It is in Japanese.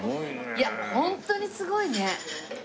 いやホントにすごいね。